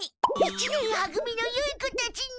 一年は組のよい子たちに。